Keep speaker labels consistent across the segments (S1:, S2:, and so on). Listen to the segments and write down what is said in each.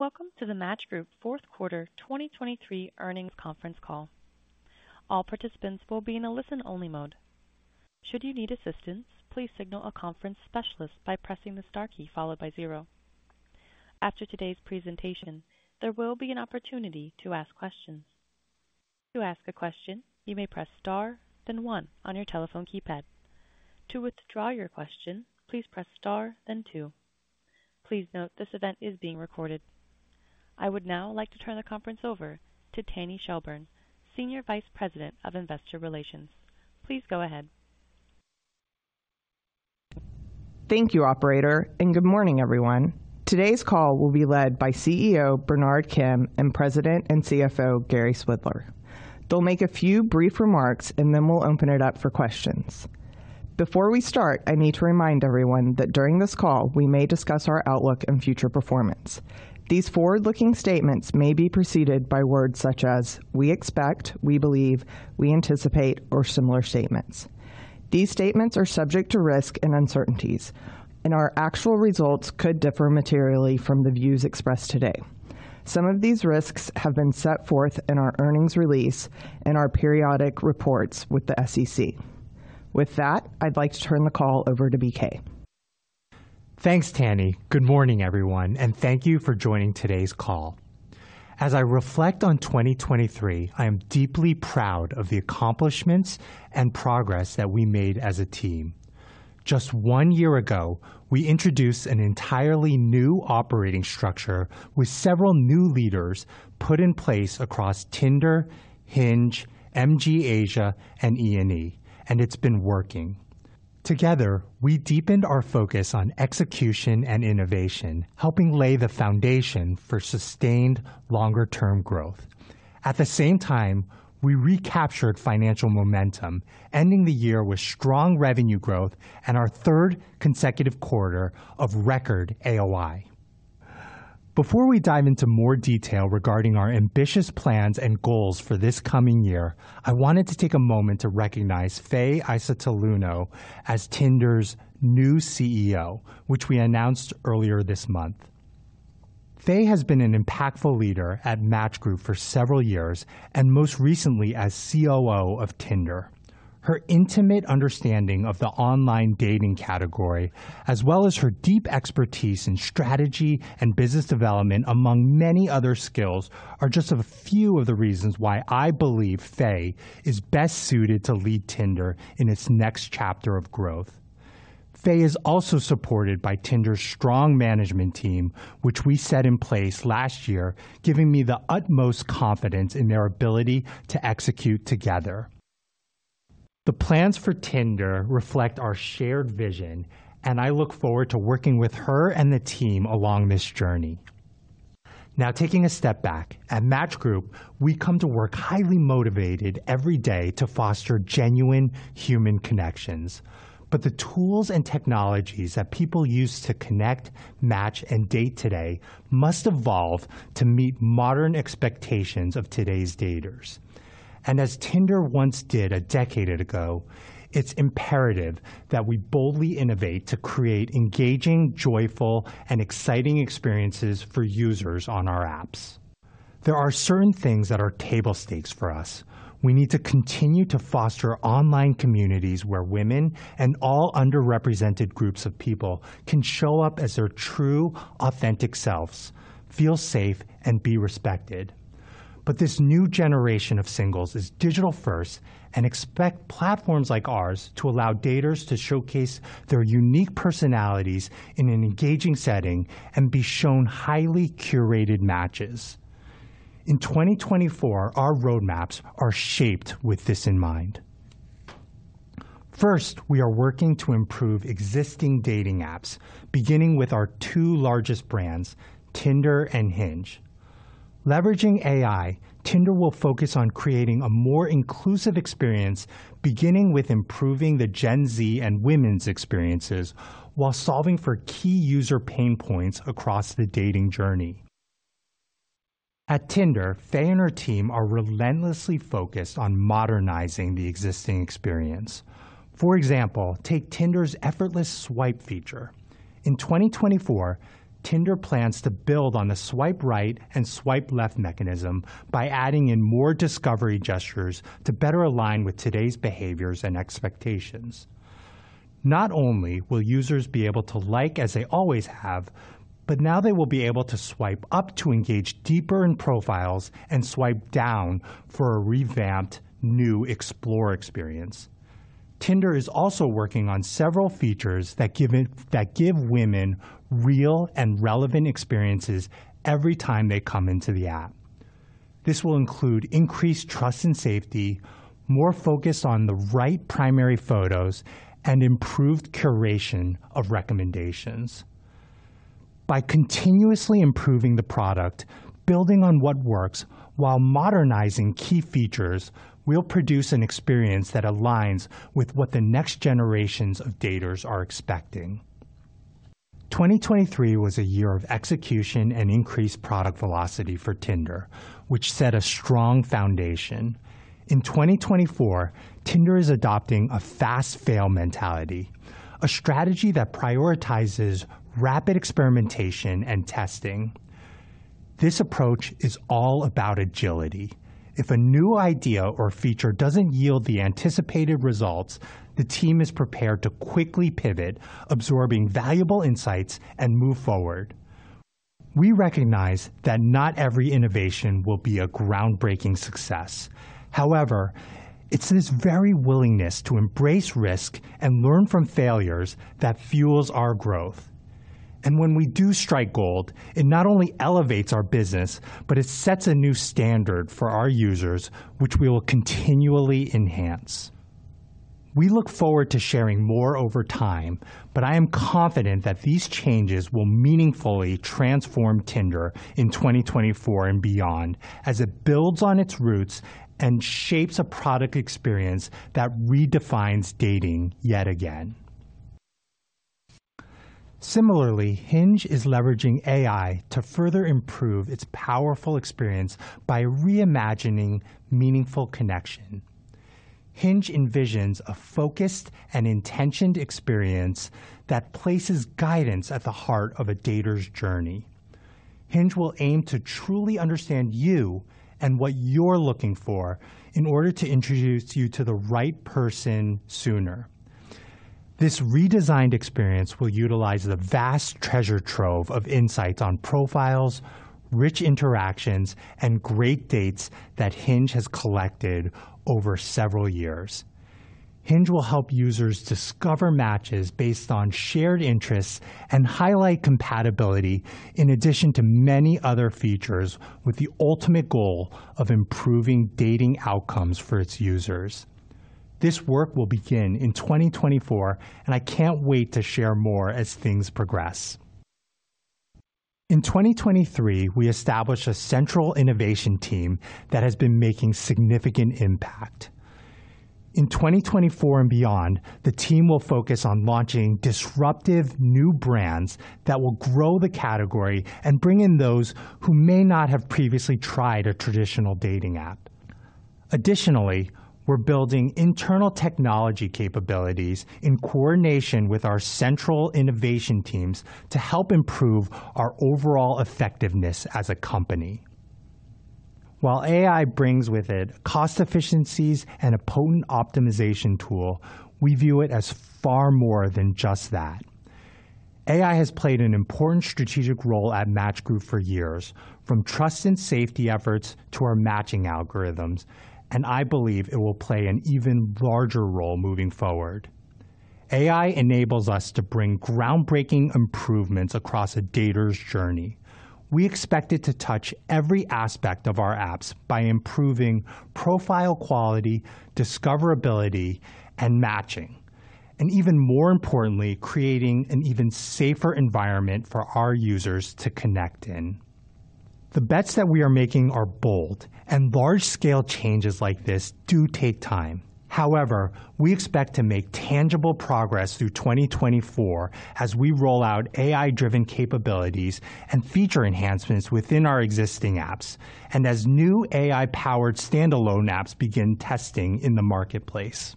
S1: Welcome to the Match Group fourth quarter 2023 earnings conference call. All participants will be in a listen-only mode. Should you need assistance, please signal a conference specialist by pressing the star key followed by zero. After today's presentation, there will be an opportunity to ask questions. To ask a question, you may press star, then one on your telephone keypad. To withdraw your question, please press star then two. Please note this event is being recorded. I would now like to turn the conference over to Tanny Shelburne, Senior Vice President of Investor Relations. Please go ahead.
S2: Thank you, operator, and good morning, everyone. Today's call will be led by CEO Bernard Kim and President and CFO Gary Swidler. They'll make a few brief remarks, and then we'll open it up for questions. Before we start, I need to remind everyone that during this call, we may discuss our outlook and future performance. These forward-looking statements may be preceded by words such as: we expect, we believe, we anticipate, or similar statements. These statements are subject to risk and uncertainties, and our actual results could differ materially from the views expressed today. Some of these risks have been set forth in our earnings release and our periodic reports with the SEC. With that, I'd like to turn the call over to BK.
S3: Thanks, Tanny. Good morning, everyone, and thank you for joining today's call. As I reflect on 2023, I am deeply proud of the accomplishments and progress that we made as a team. Just one year ago, we introduced an entirely new operating structure with several new leaders put in place across Tinder, Hinge, MG Asia, and E&E, and it's been working. Together, we deepened our focus on execution and innovation, helping lay the foundation for sustained longer-term growth. At the same time, we recaptured financial momentum, ending the year with strong revenue growth and our third consecutive quarter of record AOI. Before we dive into more detail regarding our ambitious plans and goals for this coming year, I wanted to take a moment to recognize Faye Iosotaluno as Tinder's new CEO, which we announced earlier this month. Faye has been an impactful leader at Match Group for several years, and most recently as COO of Tinder. Her intimate understanding of the online dating category, as well as her deep expertise in strategy and business development, among many other skills, are just a few of the reasons why I believe Faye is best suited to lead Tinder in its next chapter of growth. Faye is also supported by Tinder's strong management team, which we set in place last year, giving me the utmost confidence in their ability to execute together. The plans for Tinder reflect our shared vision, and I look forward to working with her and the team along this journey. Now, taking a step back. At Match Group, we come to work highly motivated every day to foster genuine human connections. But the tools and technologies that people use to connect, match, and date today must evolve to meet modern expectations of today's daters. And as Tinder once did a decade ago, it's imperative that we boldly innovate to create engaging, joyful, and exciting experiences for users on our apps. There are certain things that are table stakes for us. We need to continue to foster online communities where women and all underrepresented groups of people can show up as their true, authentic selves, feel safe, and be respected. But this new generation of singles is digital-first and expect platforms like ours to allow daters to showcase their unique personalities in an engaging setting and be shown highly curated matches. In 2024, our roadmaps are shaped with this in mind. First, we are working to improve existing dating apps, beginning with our two largest brands, Tinder and Hinge. Leveraging AI, Tinder will focus on creating a more inclusive experience, beginning with improving the Gen Z and women's experiences while solving for key user pain points across the dating journey. At Tinder, Faye and her team are relentlessly focused on modernizing the existing experience. For example, take Tinder's effortless swipe feature. In 2024, Tinder plans to build on the swipe right and swipe left mechanism by adding in more discovery gestures to better align with today's behaviors and expectations. Not only will users be able to like as they always have, but now they will be able to swipe up to engage deeper in profiles and swipe down for a revamped new Explore experience. Tinder is also working on several features that give women real and relevant experiences every time they come into the app. This will include increased trust and safety, more focus on the right primary photos, and improved curation of recommendations. By continuously improving the product, building on what works while modernizing key features, we'll produce an experience that aligns with what the next generations of daters are expecting. 2023 was a year of execution and increased product velocity for Tinder, which set a strong foundation. In 2024, Tinder is adopting a fast fail mentality, a strategy that prioritizes rapid experimentation and testing. This approach is all about agility. If a new idea or feature doesn't yield the anticipated results, the team is prepared to quickly pivot, absorbing valuable insights, and move forward. We recognize that not every innovation will be a groundbreaking success. However, it's this very willingness to embrace risk and learn from failures that fuels our growth. When we do strike gold, it not only elevates our business, but it sets a new standard for our users, which we will continually enhance. We look forward to sharing more over time, but I am confident that these changes will meaningfully transform Tinder in 2024 and beyond, as it builds on its roots and shapes a product experience that redefines dating yet again. Similarly, Hinge is leveraging AI to further improve its powerful experience by reimagining meaningful connection. Hinge envisions a focused and intentioned experience that places guidance at the heart of a dater's journey. Hinge will aim to truly understand you and what you're looking for in order to introduce you to the right person sooner. This redesigned experience will utilize the vast treasure trove of insights on profiles, rich interactions, and great dates that Hinge has collected over several years. Hinge will help users discover matches based on shared interests and highlight compatibility, in addition to many other features, with the ultimate goal of improving dating outcomes for its users. This work will begin in 2024, and I can't wait to share more as things progress. In 2023, we established a central innovation team that has been making significant impact. In 2024 and beyond, the team will focus on launching disruptive new brands that will grow the category and bring in those who may not have previously tried a traditional dating app. Additionally, we're building internal technology capabilities in coordination with our central innovation teams to help improve our overall effectiveness as a company. While AI brings with it cost efficiencies and a potent optimization tool, we view it as far more than just that. AI has played an important strategic role at Match Group for years, from trust and safety efforts to our matching algorithms, and I believe it will play an even larger role moving forward. AI enables us to bring groundbreaking improvements across a dater's journey. We expect it to touch every aspect of our apps by improving profile quality, discoverability, and matching, and even more importantly, creating an even safer environment for our users to connect in. The bets that we are making are bold, and large-scale changes like this do take time. However, we expect to make tangible progress through 2024 as we roll out AI-driven capabilities and feature enhancements within our existing apps, and as new AI-powered standalone apps begin testing in the marketplace.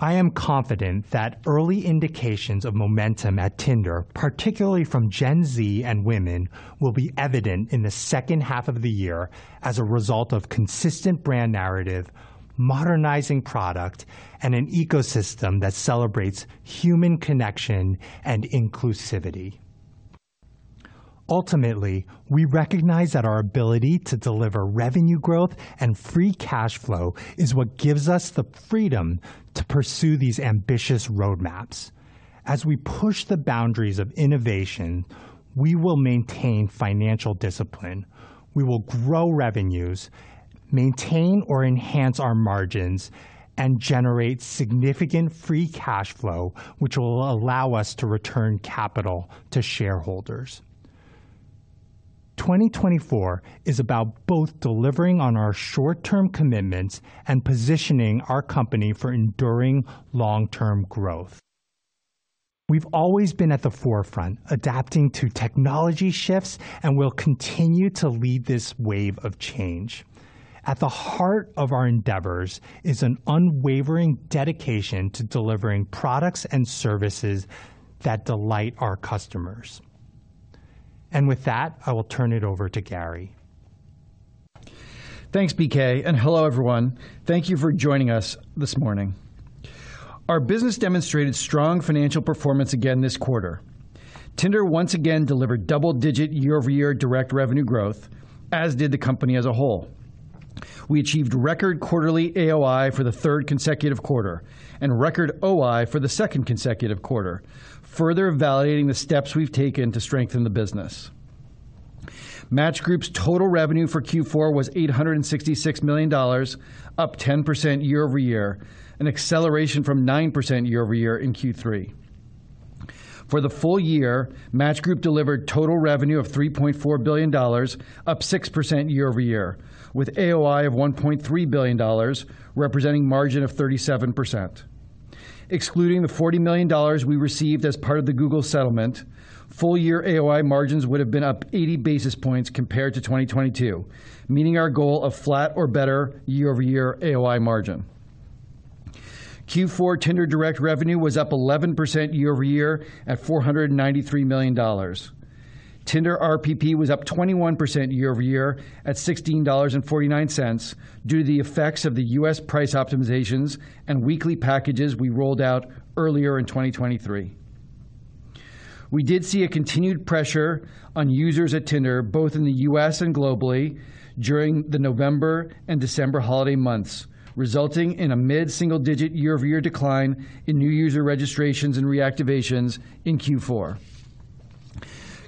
S3: I am confident that early indications of momentum at Tinder, particularly from Gen Z and women, will be evident in the second half of the year as a result of consistent brand narrative, modernizing product, and an ecosystem that celebrates human connection and inclusivity. Ultimately, we recognize that our ability to deliver revenue growth and free cash flow is what gives us the freedom to pursue these ambitious roadmaps. As we push the boundaries of innovation, we will maintain financial discipline. We will grow revenues, maintain or enhance our margins, and generate significant free cash flow, which will allow us to return capital to shareholders. 2024 is about both delivering on our short-term commitments and positioning our company for enduring long-term growth. We've always been at the forefront, adapting to technology shifts, and we'll continue to lead this wave of change. At the heart of our endeavors is an unwavering dedication to delivering products and services that delight our customers. With that, I will turn it over to Gary.
S4: Thanks, BK, and hello, everyone. Thank you for joining us this morning. Our business demonstrated strong financial performance again this quarter. Tinder once again delivered double-digit year-over-year direct revenue growth, as did the company as a whole. We achieved record quarterly AOI for the third consecutive quarter and record OI for the second consecutive quarter, further validating the steps we've taken to strengthen the business. Match Group's total revenue for Q4 was $866 million, up 10% year-over-year, an acceleration from 9% year-over-year in Q3. For the full year, Match Group delivered total revenue of $3.4 billion, up 6% year-over-year, with AOI of $1.3 billion, representing margin of 37%. Excluding the $40 million we received as part of the Google settlement, full-year AOI margins would have been up 80 basis points compared to 2022, meeting our goal of flat or better year-over-year AOI margin. Q4 Tinder direct revenue was up 11% year-over-year at $493 million. Tinder RPP was up 21% year-over-year at $16.49 due to the effects of the U.S. price optimizations and weekly packages we rolled out earlier in 2023. We did see a continued pressure on users at Tinder, both in the U.S. and globally, during the November and December holiday months, resulting in a mid-single-digit year-over-year decline in new user registrations and reactivations in Q4.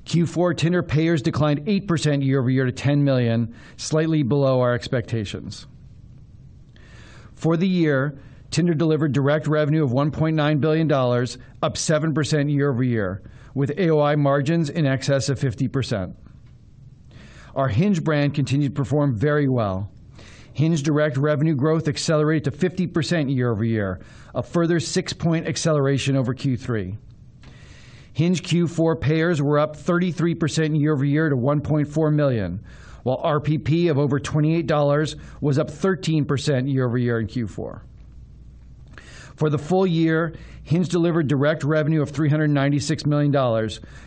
S4: Q4 Tinder payers declined 8% year-over-year to 10 million, slightly below our expectations. For the year, Tinder delivered direct revenue of $1.9 billion, up 7% year-over-year, with AOI margins in excess of 50%. Our Hinge brand continued to perform very well. Hinge direct revenue growth accelerated to 50% year-over-year, a further six-point acceleration over Q3. Hinge Q4 payers were up 33% year-over-year to 1.4 million, while RPP of over $28 was up 13% year-over-year in Q4. For the full year, Hinge delivered direct revenue of $396 million,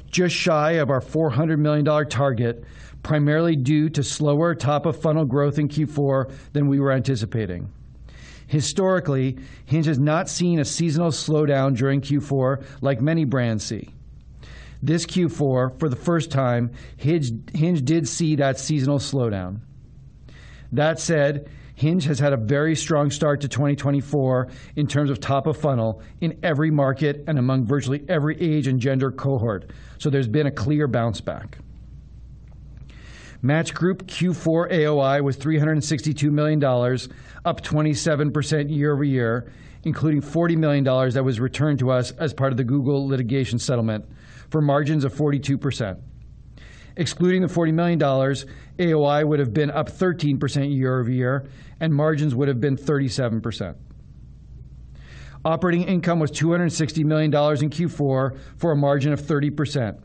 S4: just shy of our $400 million dollar target, primarily due to slower top-of-funnel growth in Q4 than we were anticipating. Historically, Hinge has not seen a seasonal slowdown during Q4, like many brands see. This Q4, for the first time, Hinge did see that seasonal slowdown. That said, Hinge has had a very strong start to 2024 in terms of top of funnel in every market and among virtually every age and gender cohort, so there's been a clear bounce back. Match Group Q4 AOI was $362 million, up 27% year-over-year, including $40 million that was returned to us as part of the Google litigation settlement for margins of 42%. Excluding the $40 million, AOI would have been up 13% year-over-year and margins would have been 37%. Operating income was $260 million in Q4 for a margin of 30%,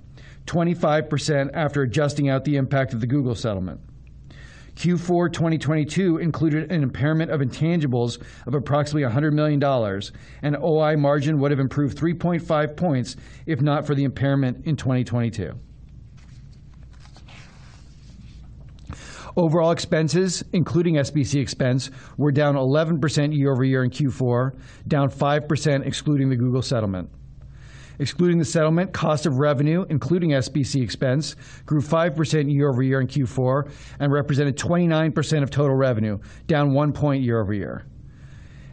S4: 25% after adjusting out the impact of the Google settlement. Q4 2022 included an impairment of intangibles of approximately $100 million, and OI margin would have improved 3.5 points, if not for the impairment in 2022. Overall expenses, including SBC expense, were down 11% year-over-year in Q4, down 5% excluding the Google settlement. Excluding the settlement, cost of revenue, including SBC expense, grew 5% year-over-year in Q4 and represented 29% of total revenue, down one point year-over-year.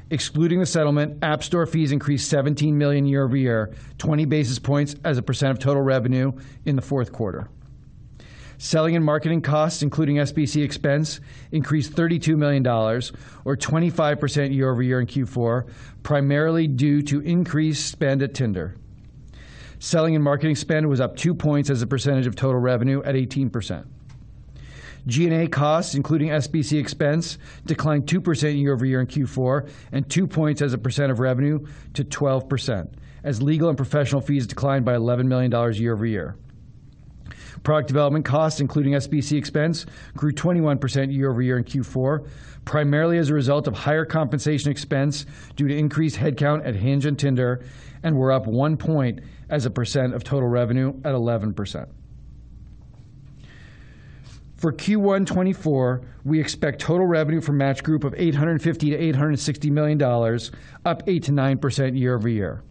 S4: Excluding the settlement, App Store fees increased $17 million year-over-year, 20 basis points as a percent of total revenue in the fourth quarter. Selling and marketing costs, including SBC expense, increased $32 million or 25% year-over-year in Q4, primarily due to increased spend at Tinder. Selling and marketing spend was up two points as a percentage of total revenue at 18%. G&A costs, including SBC expense, declined 2% year-over-year in Q4 and two points as a percent of revenue to 12%, as legal and professional fees declined by $11 million year-over-year. Product development costs, including SBC expense, grew 21% year-over-year in Q4, primarily as a result of higher compensation expense due to increased headcount at Hinge and Tinder, and were up one point as a percent of total revenue at 11%. For Q1 2024, we expect total revenue for Match Group of $850 million-$860 million, up 8%-9% year-over-year.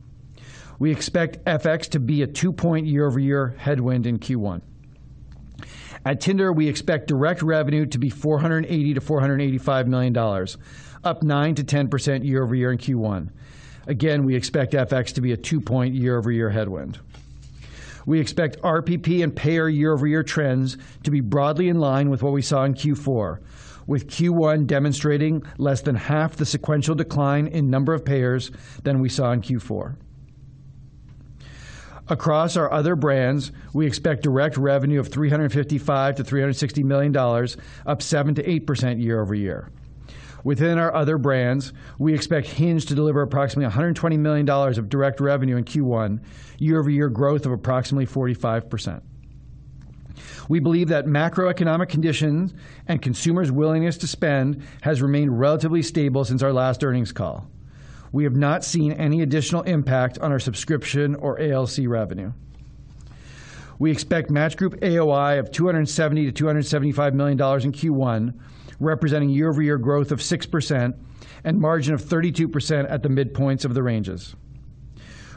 S4: We expect FX to be a two-point year-over-year headwind in Q1. At Tinder, we expect direct revenue to be $480 million-$485 million, up 9%-10% year-over-year in Q1. Again, we expect FX to be a two-point year-over-year headwind. We expect RPP and payer year-over-year trends to be broadly in line with what we saw in Q4, with Q1 demonstrating less than half the sequential decline in number of payers than we saw in Q4. Across our other brands, we expect direct revenue of $355 million-$360 million, up 7%-8% year-over-year. Within our other brands, we expect Hinge to deliver approximately $120 million of direct revenue in Q1, year-over-year growth of approximately 45%. We believe that macroeconomic conditions and consumers' willingness to spend has remained relatively stable since our last earnings call. We have not seen any additional impact on our subscription or ALC revenue. We expect Match Group AOI of $270 million-$275 million in Q1, representing year-over-year growth of 6% and margin of 32% at the midpoints of the ranges.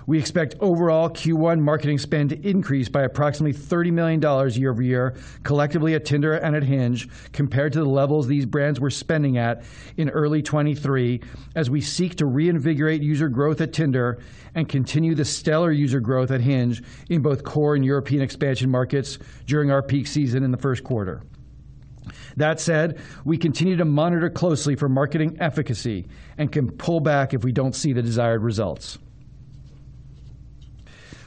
S4: We expect overall Q1 marketing spend to increase by approximately $30 million year-over-year, collectively at Tinder and at Hinge, compared to the levels these brands were spending at in early 2023, as we seek to reinvigorate user growth at Tinder and continue the stellar user growth at Hinge in both core and European expansion markets during our peak season in the first quarter. That said, we continue to monitor closely for marketing efficacy and can pull back if we don't see the desired results.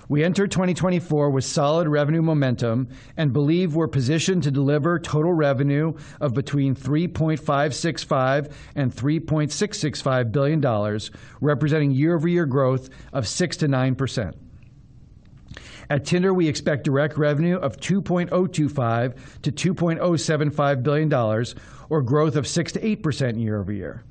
S4: We entered 2024 with solid revenue momentum and believe we're positioned to deliver total revenue of between $3.565 billion and $3.665 billion, representing year-over-year growth of 6%-9%. At Tinder, we expect direct revenue of $2.025 billion-$2.075 billion or growth of 6%-8% year-over-year.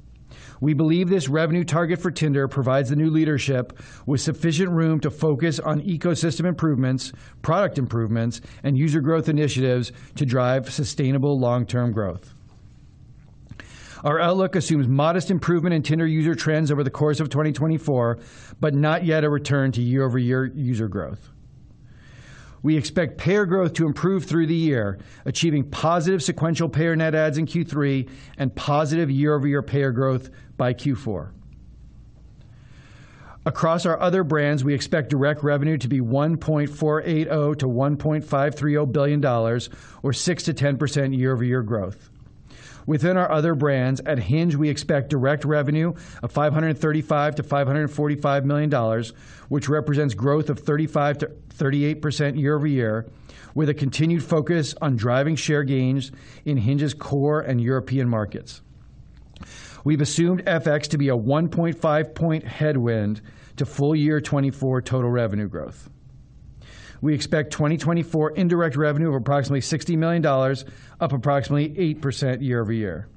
S4: We believe this revenue target for Tinder provides the new leadership with sufficient room to focus on ecosystem improvements, product improvements, and user growth initiatives to drive sustainable long-term growth. Our outlook assumes modest improvement in Tinder user trends over the course of 2024, but not yet a return to year-over-year user growth. We expect payer growth to improve through the year, achieving positive sequential payer net adds in Q3 and positive year-over-year payer growth by Q4. Across our other brands, we expect direct revenue to be $1.480 billion-$1.530 billion or 6%-10% year-over-year growth. Within our other brands, at Hinge, we expect direct revenue of $535 million-$545 million, which represents growth of 35%-38% year-over-year, with a continued focus on driving share gains in Hinge's core and European markets. We've assumed FX to be a 1.5 point headwind to full-year 2024 total revenue growth. We expect 2024 indirect revenue of approximately $60 million, up approximately 8% year-over-year.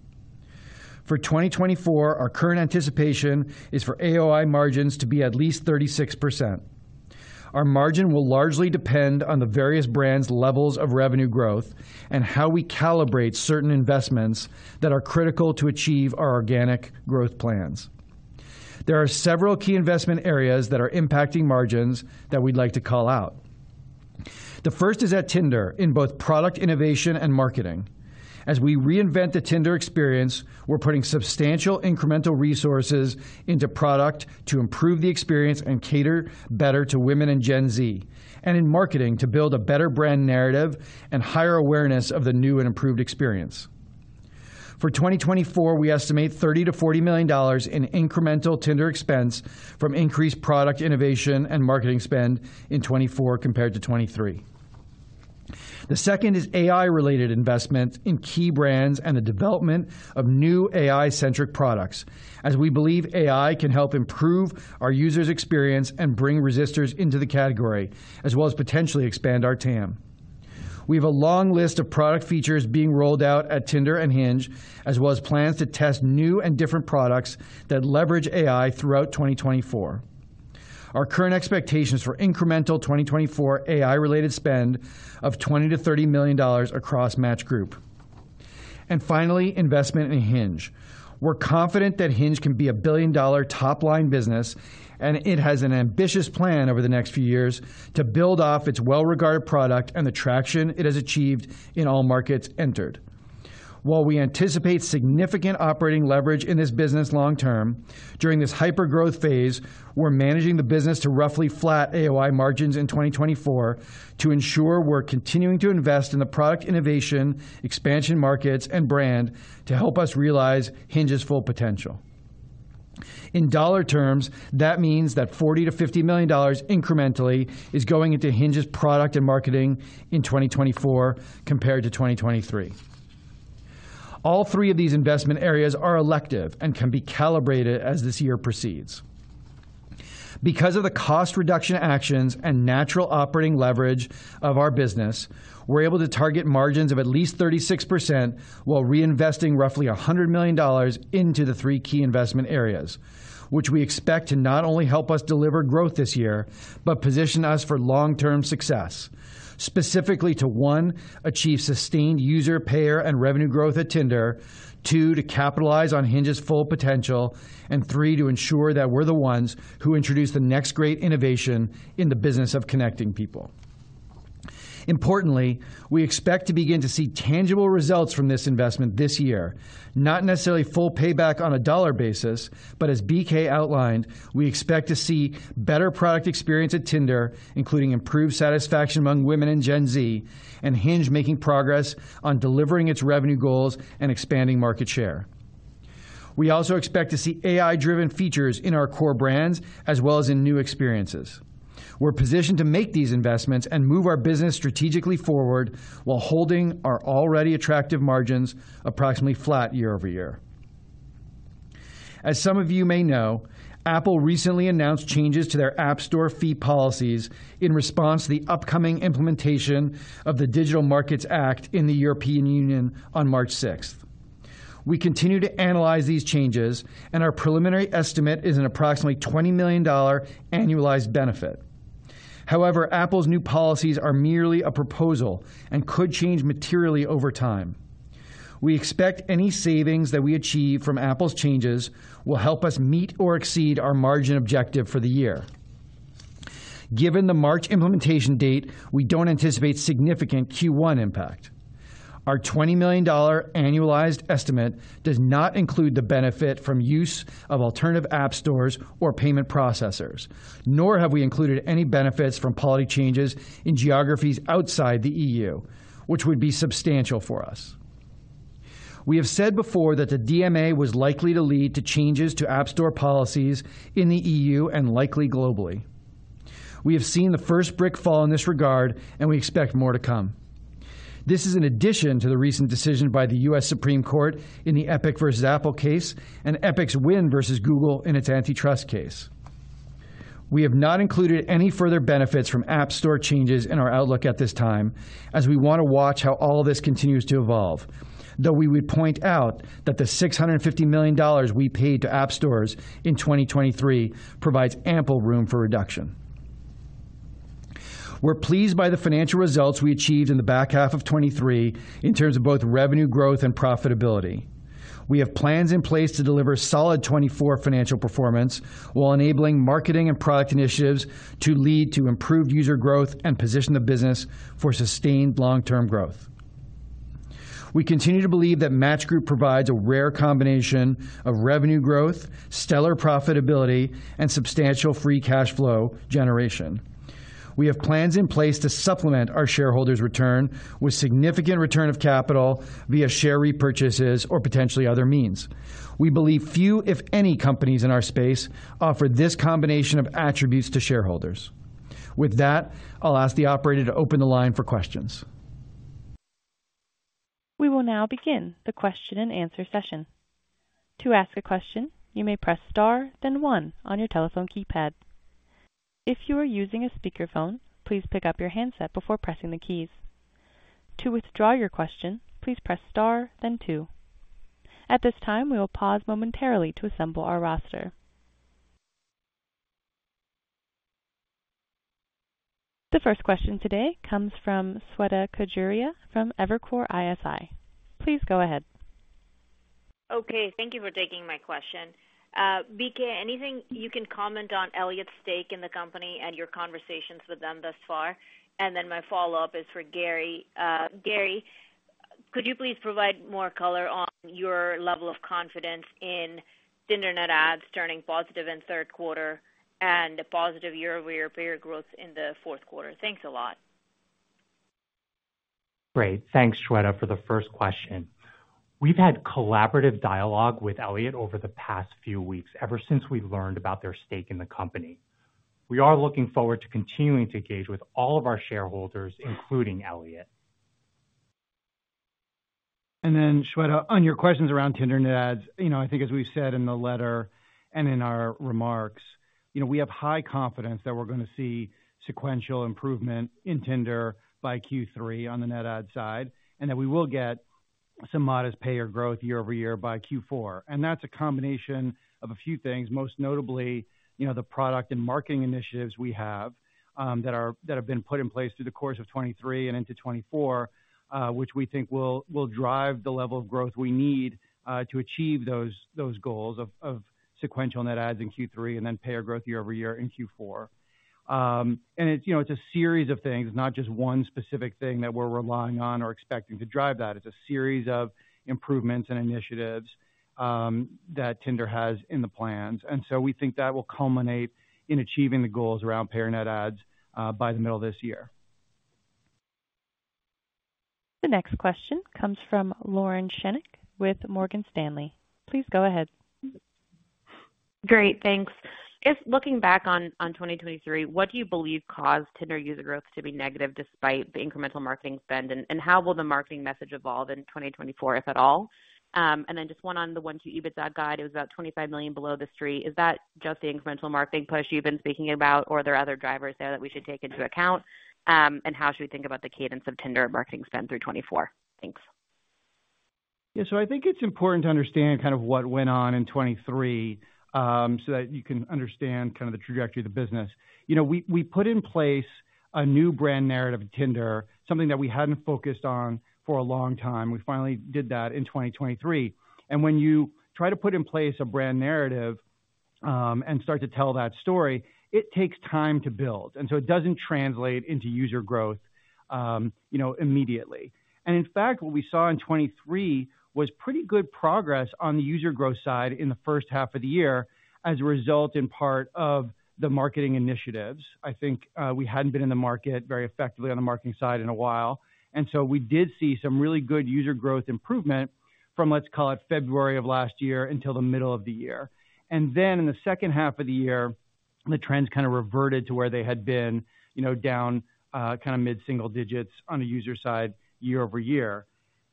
S4: For 2024, our current anticipation is for AOI margins to be at least 36%. Our margin will largely depend on the various brands' levels of revenue growth and how we calibrate certain investments that are critical to achieve our organic growth plans. There are several key investment areas that are impacting margins that we'd like to call out. The first is at Tinder in both product innovation and marketing. As we reinvent the Tinder experience, we're putting substantial incremental resources into product to improve the experience and cater better to women in Gen Z, and in marketing to build a better brand narrative and higher awareness of the new and improved experience. For 2024, we estimate $30 million-$40 million in incremental Tinder expense from increased product innovation and marketing spend in 2024 compared to 2023. The second is AI-related investments in key brands and the development of new AI-centric products, as we believe AI can help improve our users' experience and bring resisters into the category, as well as potentially expand our TAM. We have a long list of product features being rolled out at Tinder and Hinge, as well as plans to test new and different products that leverage AI throughout 2024. Our current expectations for incremental 2024 AI-related spend of $20 million-$30 million across Match Group. And finally, investment in Hinge. We're confident that Hinge can be a billion-dollar top-line business, and it has an ambitious plan over the next few years to build off its well-regarded product and the traction it has achieved in all markets entered. While we anticipate significant operating leverage in this business long term, during this hyper-growth phase, we're managing the business to roughly flat AOI margins in 2024 to ensure we're continuing to invest in the product innovation, expansion markets, and brand to help us realize Hinge's full potential. In dollar terms, that means that $40 million-$50 million incrementally is going into Hinge's product and marketing in 2024 compared to 2023. All three of these investment areas are elective and can be calibrated as this year proceeds. Because of the cost reduction actions and natural operating leverage of our business, we're able to target margins of at least 36% while reinvesting roughly $100 million into the three key investment areas, which we expect to not only help us deliver growth this year, but position us for long-term success. Specifically to, one, achieve sustained user, payer, and revenue growth at Tinder. Two, to capitalize on Hinge's full potential. And three, to ensure that we're the ones who introduce the next great innovation in the business of connecting people. Importantly, we expect to begin to see tangible results from this investment this year, not necessarily full payback on a dollar basis, but as BK outlined, we expect to see better product experience at Tinder, including improved satisfaction among women in Gen Z and Hinge making progress on delivering its revenue goals and expanding market share. We also expect to see AI-driven features in our core brands as well as in new experiences. We're positioned to make these investments and move our business strategically forward while holding our already attractive margins approximately flat year-over-year. As some of you may know, Apple recently announced changes to their App Store fee policies in response to the upcoming implementation of the Digital Markets Act in the European Union on March 6th. We continue to analyze these changes, and our preliminary estimate is an approximately $20 million annualized benefit. However, Apple's new policies are merely a proposal and could change materially over time. We expect any savings that we achieve from Apple's changes will help us meet or exceed our margin objective for the year. Given the March implementation date, we don't anticipate significant Q1 impact. Our $20 million annualized estimate does not include the benefit from use of alternative app stores or payment processors, nor have we included any benefits from policy changes in geographies outside the EU, which would be substantial for us. We have said before that the DMA was likely to lead to changes to App Store policies in the EU and likely globally. We have seen the first brick fall in this regard, and we expect more to come. This is in addition to the recent decision by the U.S. Supreme Court in the Epic versus Apple case and Epic's win versus Google in its antitrust case. We have not included any further benefits from app store changes in our outlook at this time, as we want to watch how all of this continues to evolve. Though we would point out that the $650 million we paid to app stores in 2023 provides ample room for reduction. We're pleased by the financial results we achieved in the back half of 2023 in terms of both revenue growth and profitability. We have plans in place to deliver solid 2024 financial performance, while enabling marketing and product initiatives to lead to improved user growth and position the business for sustained long-term growth. We continue to believe that Match Group provides a rare combination of revenue growth, stellar profitability, and substantial free cash flow generation. We have plans in place to supplement our shareholders' return with significant return of capital via share repurchases or potentially other means. We believe few, if any, companies in our space offer this combination of attributes to shareholders. With that, I'll ask the operator to open the line for questions.
S1: We will now begin the question-and-answer session. To ask a question, you may press star, then one on your telephone keypad. If you are using a speakerphone, please pick up your handset before pressing the keys. To withdraw your question, please press star then two. At this time, we will pause momentarily to assemble our roster. The first question today comes from Shweta Khajuria from Evercore ISI. Please go ahead.
S5: Okay, thank you for taking my question. BK, anything you can comment on Elliott's stake in the company and your conversations with them thus far? And then my follow-up is for Gary. Gary, could you please provide more color on your level of confidence in Tinder net ads turning positive in third quarter and a positive year-over-year payer growth in the fourth quarter? Thanks a lot.
S3: Great. Thanks, Shweta, for the first question. We've had collaborative dialogue with Elliott over the past few weeks, ever since we learned about their stake in the company. We are looking forward to continuing to engage with all of our shareholders, including Elliott.
S4: Then Shweta, on your questions around Tinder net adds, you know, I think as we've said in the letter and in our remarks, you know, we have high confidence that we're going to see sequential improvement in Tinder by Q3 on the net adds side, and that we will get some modest payer growth year-over-year by Q4. And that's a combination of a few things, most notably, you know, the product and marketing initiatives we have that have been put in place through the course of 2023 and into 2024, which we think will drive the level of growth we need to achieve those goals of sequential net adds in Q3 and then payer growth year-over-year in Q4. It's, you know, it's a series of things, not just one specific thing that we're relying on or expecting to drive that. It's a series of improvements and initiatives that Tinder has in the plans. And so we think that will culminate in achieving the goals around payer net adds by the middle of this year.
S1: The next question comes from Lauren Schenk with Morgan Stanley. Please go ahead.
S6: Great, thanks. Just looking back on, on 2023, what do you believe caused Tinder user growth to be negative despite the incremental marketing spend? And, and how will the marketing message evolve in 2024, if at all? And then just one on the 1Q EBITDA guide, it was about $25 million below the street. Is that just the incremental marketing push you've been speaking about, or are there other drivers there that we should take into account? And how should we think about the cadence of Tinder marketing spend through 2024? Thanks.
S4: Yeah, so I think it's important to understand kind of what went on in 2023, so that you can understand kind of the trajectory of the business. You know, we put in place a new brand narrative at Tinder, something that we hadn't focused on for a long time. We finally did that in 2023. And when you try to put in place a brand narrative, and start to tell that story, it takes time to build, and so it doesn't translate into user growth, you know, immediately. And in fact, what we saw in 2023 was pretty good progress on the user growth side in the first half of the year as a result, in part, of the marketing initiatives. I think, we hadn't been in the market very effectively on the marketing side in a while, and so we did see some really good user growth improvement from, let's call it February of last year until the middle of the year. And then in the second half of the year, the trends kind of reverted to where they had been, you know, down, kind of mid-single digits on the user side, year-over-year.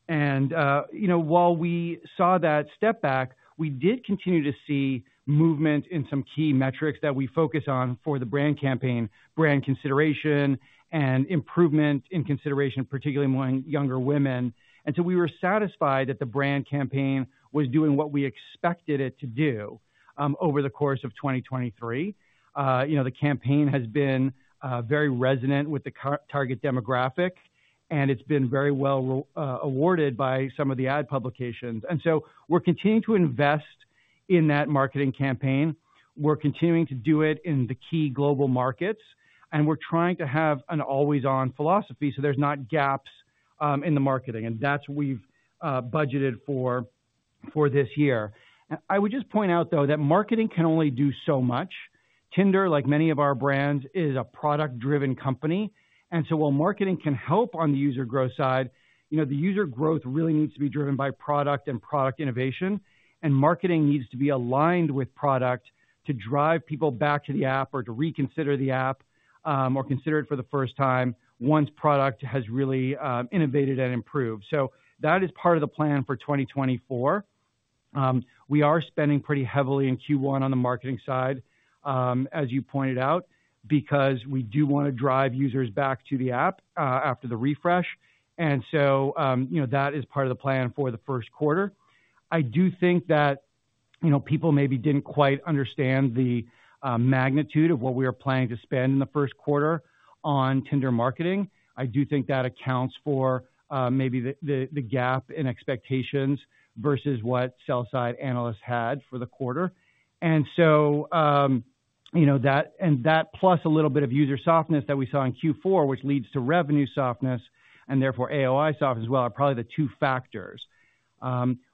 S4: And, you know, while we saw that step back, we did continue to see movement in some key metrics that we focus on for the brand campaign, brand consideration and improvement in consideration, particularly among younger women. And so we were satisfied that the brand campaign was doing what we expected it to do, over the course of 2023. You know, the campaign has been very resonant with the target demographic, and it's been very well awarded by some of the ad publications. And so we're continuing to invest in that marketing campaign. We're continuing to do it in the key global markets, and we're trying to have an always-on philosophy, so there's not gaps in the marketing, and that's what we've budgeted for this year. I would just point out, though, that marketing can only do so much. Tinder, like many of our brands, is a product-driven company, and so while marketing can help on the user growth side, you know, the user growth really needs to be driven by product and product innovation, and marketing needs to be aligned with product to drive people back to the app or to reconsider the app, or consider it for the first time once product has really innovated and improved. So that is part of the plan for 2024. We are spending pretty heavily in Q1 on the marketing side, as you pointed out, because we do want to drive users back to the app after the refresh. And so, you know, that is part of the plan for the first quarter. I do think that, you know, people maybe didn't quite understand the magnitude of what we were planning to spend in the first quarter on Tinder marketing. I do think that accounts for maybe the gap in expectations versus what sell-side analysts had for the quarter. And so, you know, that and that plus a little bit of user softness that we saw in Q4, which leads to revenue softness and therefore AOI stuff as well, are probably the two factors.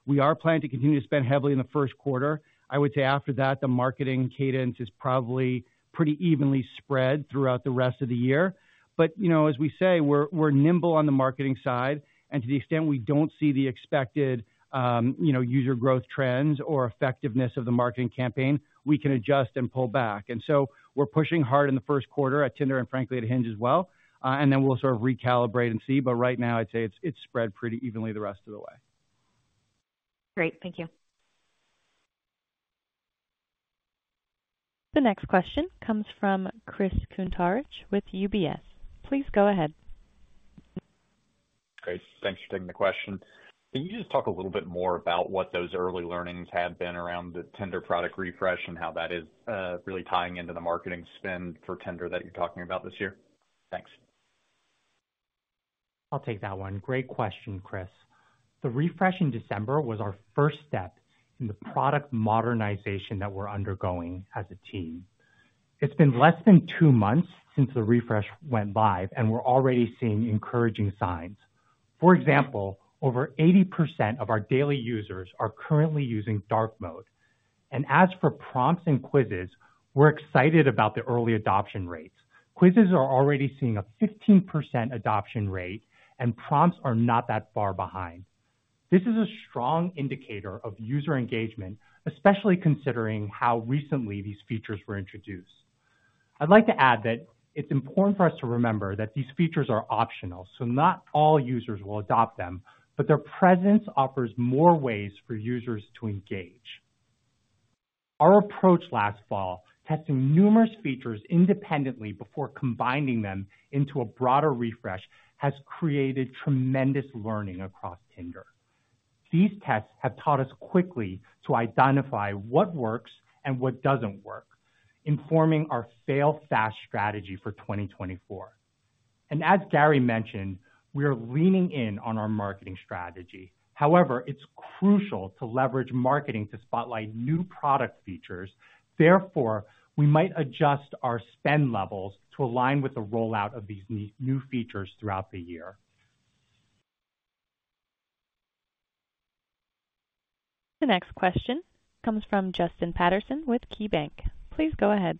S4: We are planning to continue to spend heavily in the first quarter. I would say after that, the marketing cadence is probably pretty evenly spread throughout the rest of the year. But, you know, as we say, we're, we're nimble on the marketing side, and to the extent we don't see the expected, you know, user growth trends or effectiveness of the marketing campaign, we can adjust and pull back. And so we're pushing hard in the first quarter at Tinder and frankly, at Hinge as well, and then we'll sort of recalibrate and see. But right now, I'd say it's spread pretty evenly the rest of the way.
S6: Great. Thank you.
S1: The next question comes from Chris Kuntarich with UBS. Please go ahead.
S7: Great, thanks for taking the question. Can you just talk a little bit more about what those early learnings have been around the Tinder product refresh and how that is really tying into the marketing spend for Tinder that you're talking about this year? Thanks.
S3: I'll take that one. Great question, Chris. The refresh in December was our first step in the product modernization that we're undergoing as a team. It's been less than two months since the refresh went live, and we're already seeing encouraging signs. For example, over 80% of our daily users are currently using dark mode. And as for prompts and quizzes, we're excited about the early adoption rates. Quizzes are already seeing a 15% adoption rate, and prompts are not that far behind. This is a strong indicator of user engagement, especially considering how recently these features were introduced. I'd like to add that it's important for us to remember that these features are optional, so not all users will adopt them, but their presence offers more ways for users to engage. Our approach last fall, testing numerous features independently before combining them into a broader refresh, has created tremendous learning across Tinder. These tests have taught us quickly to identify what works and what doesn't work, informing our fail fast strategy for 2024. And as Gary mentioned, we are leaning in on our marketing strategy. However, it's crucial to leverage marketing to spotlight new product features. Therefore, we might adjust our spend levels to align with the rollout of these new features throughout the year.
S1: The next question comes from Justin Patterson with KeyBanc. Please go ahead.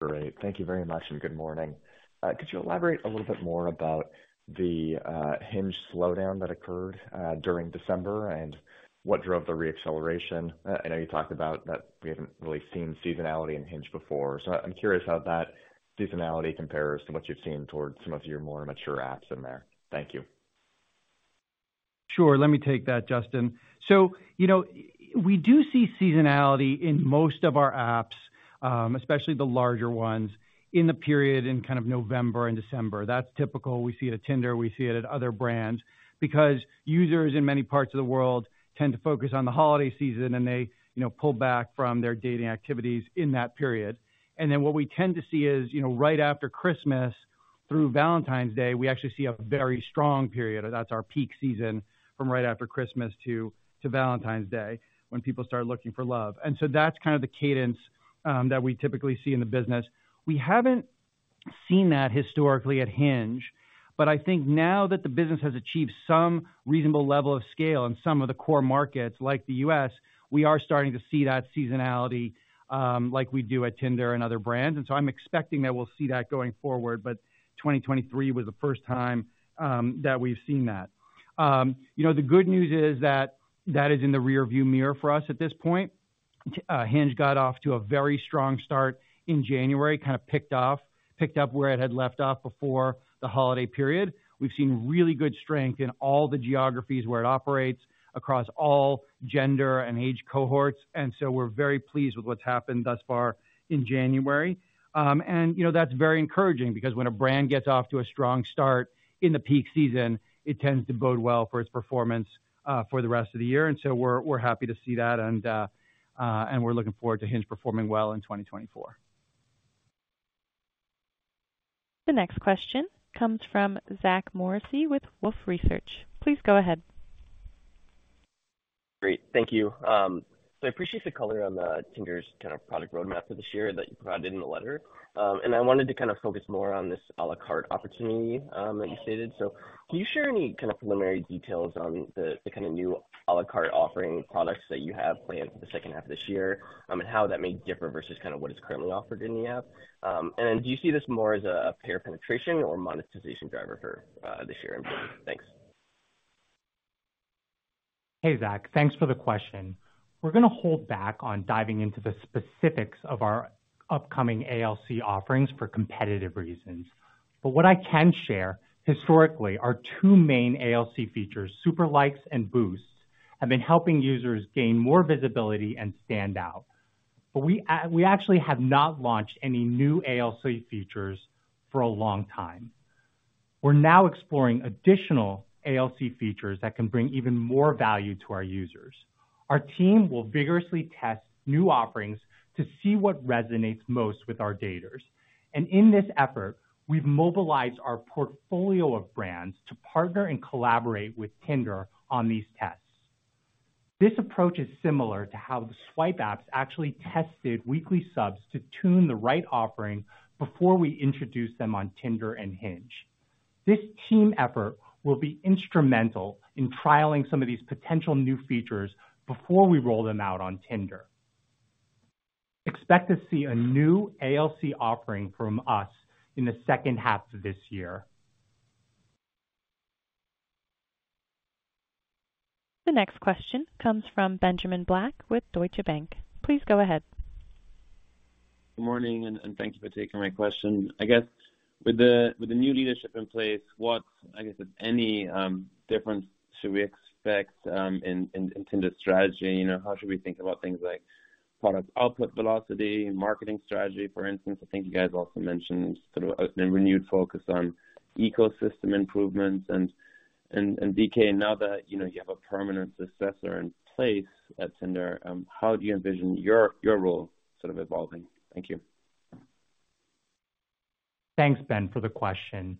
S8: Great. Thank you very much, and good morning. Could you elaborate a little bit more about the Hinge slowdown that occurred during December and what drove the re-acceleration? I know you talked about that we haven't really seen seasonality in Hinge before, so I'm curious how that seasonality compares to what you've seen towards some of your more mature apps in there. Thank you.
S4: Sure. Let me take that, Justin. So, you know, we do see seasonality in most of our apps, especially the larger ones, in the period in kind of November and December. That's typical. We see it at Tinder, we see it at other brands, because users in many parts of the world tend to focus on the holiday season, and they, you know, pull back from their dating activities in that period. And then what we tend to see is, you know, right after Christmas through Valentine's Day, we actually see a very strong period. That's our peak season, from right after Christmas to Valentine's Day, when people start looking for love. And so that's kind of the cadence that we typically see in the business. We haven't seen that historically at Hinge, but I think now that the business has achieved some reasonable level of scale in some of the core markets like the U.S., we are starting to see that seasonality, like we do at Tinder and other brands, and so I'm expecting that we'll see that going forward. But 2023 was the first time that we've seen that. You know, the good news is that that is in the rearview mirror for us at this point. Hinge got off to a very strong start in January, kind of picked up where it had left off before the holiday period. We've seen really good strength in all the geographies where it operates, across all gender and age cohorts, and so we're very pleased with what's happened thus far in January. You know, that's very encouraging because when a brand gets off to a strong start in the peak season, it tends to bode well for its performance for the rest of the year. And so we're happy to see that and we're looking forward to Hinge performing well in 2024.
S1: The next question comes from Zach Morrissey with Wolfe Research. Please go ahead.
S9: Great. Thank you. I appreciate the color on Tinder's kind of product roadmap for this year that you provided in the letter. And I wanted to kind of focus more on this a la carte opportunity that you stated. So can you share any kind of preliminary details on the kind of new a la carte offering products that you have planned for the second half of this year, and how that may differ versus kind of what is currently offered in the app? And then do you see this more as a payer penetration or monetization driver for this year and beyond? Thanks.
S3: Hey, Zach, thanks for the question. We're going to hold back on diving into the specifics of our upcoming ALC offerings for competitive reasons. But what I can share, historically, our two main ALC features, Super Likes and Boosts, have been helping users gain more visibility and stand out. But we actually have not launched any new ALC features for a long time. We're now exploring additional ALC features that can bring even more value to our users. Our team will vigorously test new offerings to see what resonates most with our daters. And in this effort, we've mobilized our portfolio of brands to partner and collaborate with Tinder on these tests. This approach is similar to how the swipe apps actually tested weekly subs to tune the right offering before we introduced them on Tinder and Hinge. This team effort will be instrumental in trialing some of these potential new features before we roll them out on Tinder. Expect to see a new ALC offering from us in the second half of this year.
S1: The next question comes from Benjamin Black with Deutsche Bank. Please go ahead.
S10: Good morning, and thank you for taking my question. I guess, with the new leadership in place, what, I guess, if any, difference should we expect, in Tinder's strategy? You know, how should we think about things like product output velocity and marketing strategy, for instance? I think you guys also mentioned sort of a renewed focus on ecosystem improvements. And BK, now that, you know, you have a permanent successor in place at Tinder, how do you envision your role sort of evolving? Thank you.
S3: Thanks, Ben, for the question.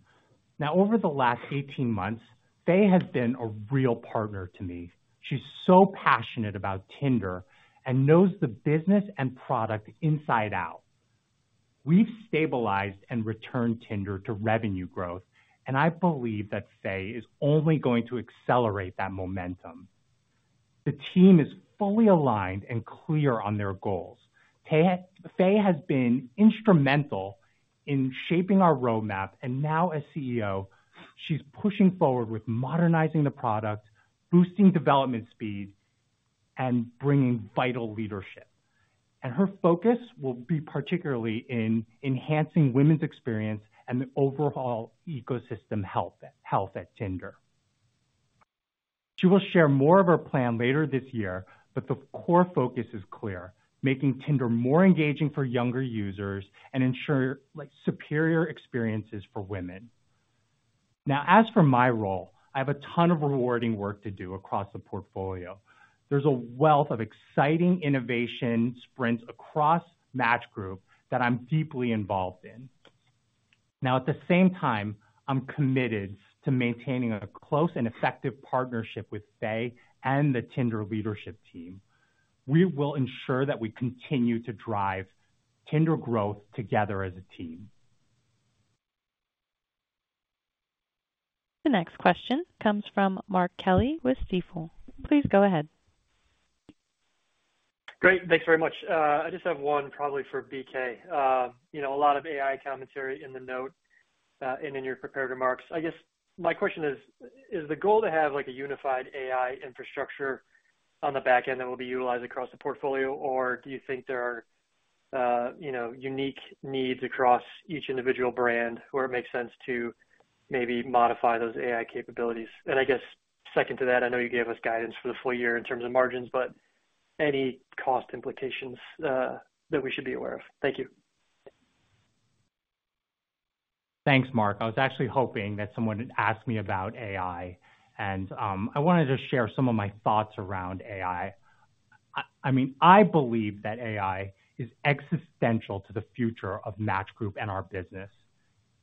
S3: Now, over the last 18 months, Faye has been a real partner to me. She's so passionate about Tinder and knows the business and product inside out. We've stabilized and returned Tinder to revenue growth, and I believe that Faye is only going to accelerate that momentum. The team is fully aligned and clear on their goals. Faye, Faye has been instrumental in shaping our roadmap, and now as CEO, she's pushing forward with modernizing the product, boosting development speed, and bringing vital leadership. And her focus will be particularly in enhancing women's experience and the overall ecosystem health at Tinder. She will share more of her plan later this year, but the core focus is clear: making Tinder more engaging for younger users and ensure, like, superior experiences for women. Now, as for my role, I have a ton of rewarding work to do across the portfolio. There's a wealth of exciting innovation sprints across Match Group that I'm deeply involved in. Now, at the same time, I'm committed to maintaining a close and effective partnership with Faye and the Tinder leadership team. We will ensure that we continue to drive Tinder growth together as a team.
S1: The next question comes from Mark Kelley with Stifel. Please go ahead.
S11: Great, thanks very much. I just have one probably for BK. You know, a lot of AI commentary in the note, and in your prepared remarks. I guess my question is: Is the goal to have, like, a unified AI infrastructure on the back end that will be utilized across the portfolio? Or do you think there are, you know, unique needs across each individual brand, where it makes sense to maybe modify those AI capabilities? And I guess second to that, I know you gave us guidance for the full year in terms of margins, but any cost implications that we should be aware of? Thank you.
S3: Thanks, Mark. I was actually hoping that someone would ask me about AI, and I wanted to share some of my thoughts around AI. I mean, I believe that AI is existential to the future of Match Group and our business.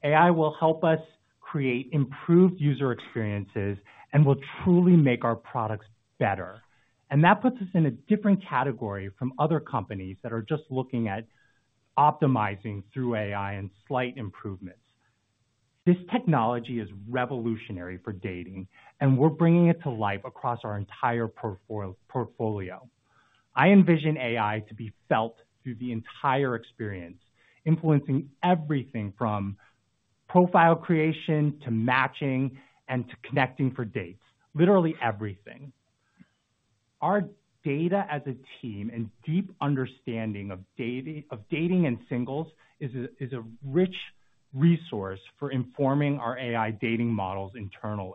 S3: AI will help us create improved user experiences and will truly make our products better. And that puts us in a different category from other companies that are just looking at optimizing through AI and slight improvements. This technology is revolutionary for dating, and we're bringing it to life across our entire portfolio. I envision AI to be felt through the entire experience, influencing everything from profile creation to matching and to connecting for dates, literally everything. Our data as a team and deep understanding of dating and singles is a rich resource for informing our AI dating models internally.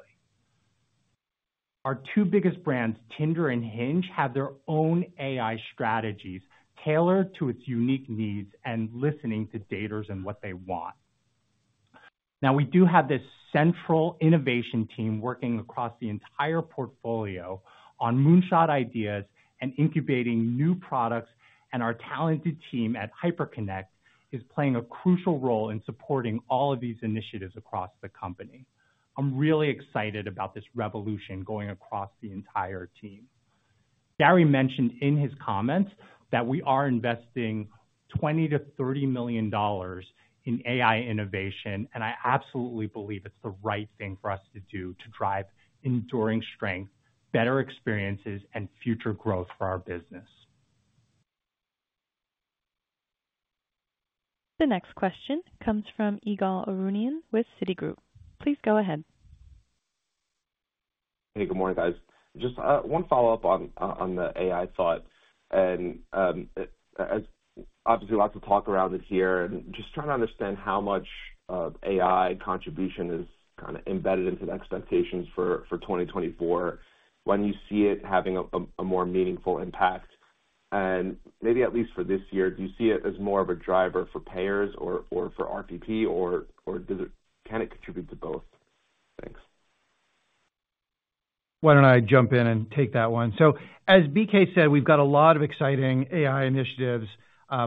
S3: Our two biggest brands, Tinder and Hinge, have their own AI strategies tailored to its unique needs and listening to daters and what they want. Now, we do have this central innovation team working across the entire portfolio on moonshot ideas and incubating new products, and our talented team at Hyperconnect is playing a crucial role in supporting all of these initiatives across the company. I'm really excited about this revolution going across the entire team. Gary mentioned in his comments that we are investing $20 million-$30 million in AI innovation, and I absolutely believe it's the right thing for us to do to drive enduring strength, better experiences, and future growth for our business.
S1: The next question comes from Ygal Arounian with Citigroup. Please go ahead.
S12: Hey, good morning, guys. Just one follow-up on the AI thought, and as obviously lots of talk around it here, and just trying to understand how much of AI contribution is kind of embedded into the expectations for 2024, when you see it having a more meaningful impact. And maybe at least for this year, do you see it as more of a driver for payers or for RPP, or does it can it contribute to both? Thanks.
S4: Why don't I jump in and take that one? So, as BK said, we've got a lot of exciting AI initiatives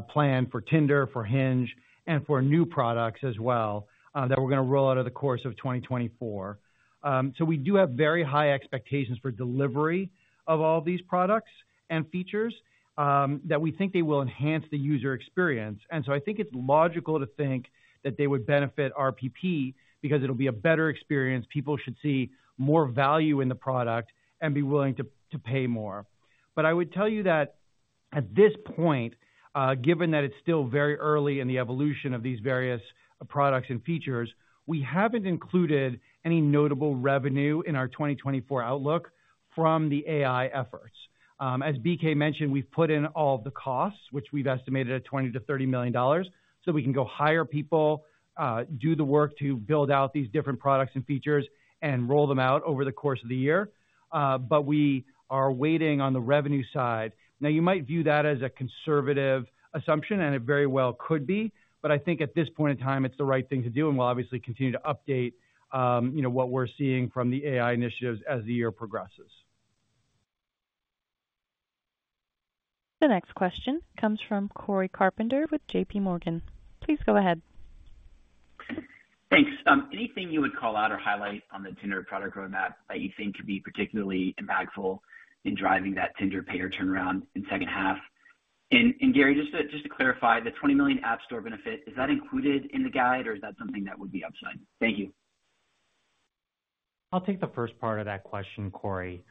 S4: planned for Tinder, for Hinge, and for new products as well that we're going to roll out over the course of 2024. So we do have very high expectations for delivery of all these products and features that we think they will enhance the user experience. And so I think it's logical to think that they would benefit RPP because it'll be a better experience. People should see more value in the product and be willing to, to pay more. But I would tell you that at this point, given that it's still very early in the evolution of these various products and features, we haven't included any notable revenue in our 2024 outlook from the AI efforts. As BK mentioned, we've put in all the costs, which we've estimated at $20 million-$30 million, so we can go hire people, do the work to build out these different products and features and roll them out over the course of the year. But we are waiting on the revenue side. Now, you might view that as a conservative assumption, and it very well could be, but I think at this point in time, it's the right thing to do, and we'll obviously continue to update, you know, what we're seeing from the AI initiatives as the year progresses.
S1: The next question comes from Cory Carpenter with JPMorgan. Please go ahead.
S13: Thanks. Anything you would call out or highlight on the Tinder product roadmap that you think could be particularly impactful in driving that Tinder payer turnaround in second half? And Gary, just to clarify the $20 million App Store benefit, is that included in the guide, or is that something that would be upside? Thank you.
S3: I'll take the first part of that question, Cory.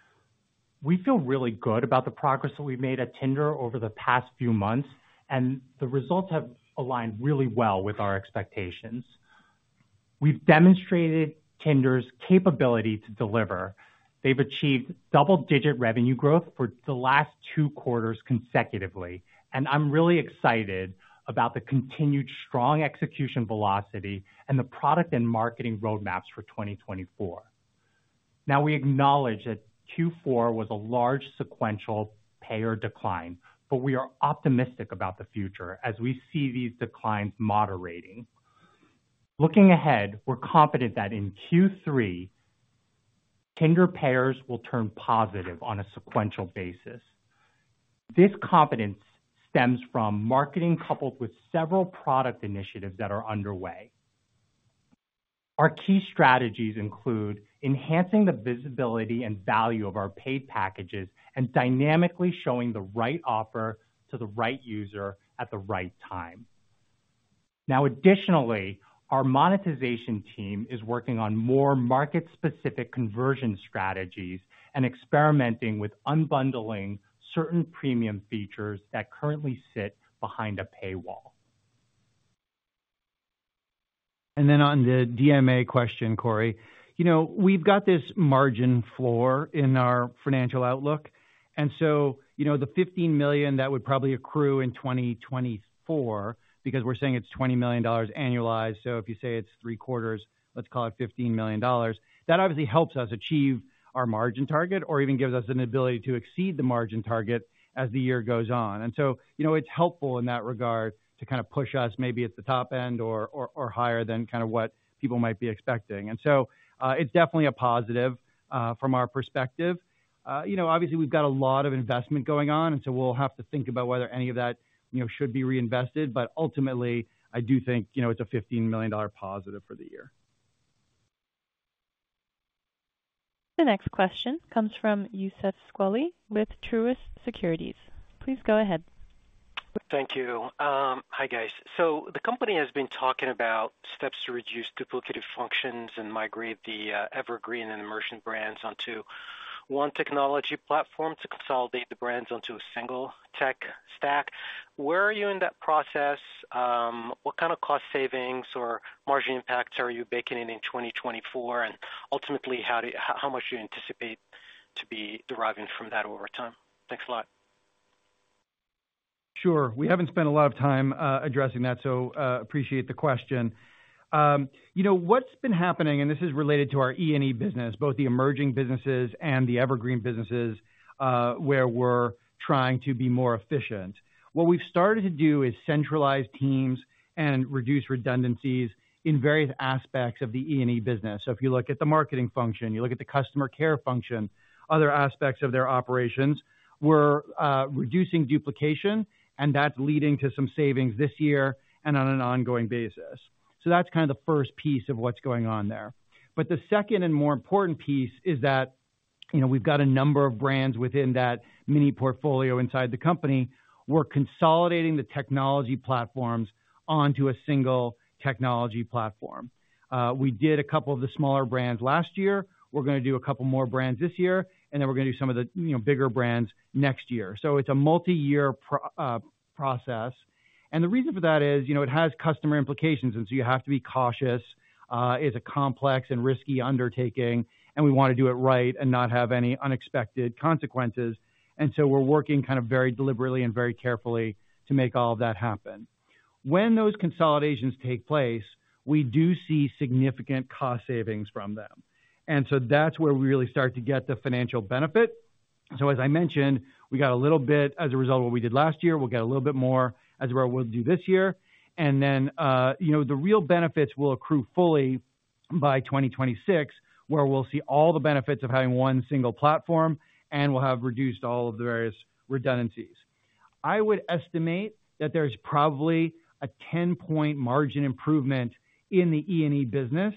S3: We feel really good about the progress that we've made at Tinder over the past few months, and the results have aligned really well with our expectations. We've demonstrated Tinder's capability to deliver. They've achieved double-digit revenue growth for the last two quarters consecutively, and I'm really excited about the continued strong execution velocity and the product and marketing roadmaps for 2024. Now, we acknowledge that Q4 was a large sequential payer decline, but we are optimistic about the future as we see these declines moderating. Looking ahead, we're confident that in Q3, Tinder payers will turn positive on a sequential basis. This confidence stems from marketing, coupled with several product initiatives that are underway. Our key strategies include enhancing the visibility and value of our paid packages and dynamically showing the right offer to the right user at the right time. Now, additionally, our monetization team is working on more market-specific conversion strategies and experimenting with unbundling certain premium features that currently sit behind a paywall.
S4: Then on the DMA question, Cory, you know, we've got this margin floor in our financial outlook, and so, you know, the $15 million, that would probably accrue in 2024 because we're saying it's $20 million annualized. So if you say it's three quarters, let's call it $15 million. That obviously helps us achieve our margin target or even gives us an ability to exceed the margin target as the year goes on. And so, you know, it's helpful in that regard to kind of push us maybe at the top end or higher than kind of what people might be expecting. And so, it's definitely a positive, from our perspective. You know, obviously, we've got a lot of investment going on, and so we'll have to think about whether any of that, you know, should be reinvested. But ultimately, I do think, you know, it's a $15 million positive for the year.
S1: The next question comes from Youssef Squali with Truist Securities. Please go ahead.
S14: Thank you. Hi, guys. So the company has been talking about steps to reduce duplicative functions and migrate the Evergreen and Emerging brands onto one technology platform to consolidate the brands onto a single tech stack. Where are you in that process? What kind of cost savings or margin impacts are you baking in in 2024? And ultimately, how do, how much do you anticipate to be deriving from that over time? Thanks a lot.
S4: Sure. We haven't spent a lot of time addressing that, so appreciate the question. You know, what's been happening, and this is related to our E&E business, both the Emerging businesses and the Evergreen businesses, where we're trying to be more efficient. What we've started to do is centralize teams and reduce redundancies in various aspects of the E&E business. So if you look at the marketing function, you look at the customer care function, other aspects of their operations, we're reducing duplication, and that's leading to some savings this year and on an ongoing basis. So that's kind of the first piece of what's going on there. But the second and more important piece is that, you know, we've got a number of brands within that mini portfolio inside the company. We're consolidating the technology platforms onto a single technology platform. We did a couple of the smaller brands last year. We're going to do a couple more brands this year, and then we're going to do some of the, you know, bigger brands next year. So it's a multi-year process. The reason for that is, you know, it has customer implications, and so you have to be cautious. It's a complex and risky undertaking, and we want to do it right and not have any unexpected consequences. So we're working kind of very deliberately and very carefully to make all of that happen. When those consolidations take place, we do see significant cost savings from them, and so that's where we really start to get the financial benefit. So as I mentioned, we got a little bit as a result of what we did last year. We'll get a little bit more as a result of what we'll do this year. And then, you know, the real benefits will accrue fully by 2026, where we'll see all the benefits of having one single platform, and we'll have reduced all of the various redundancies. I would estimate that there's probably a 10-point margin improvement in the E&E business,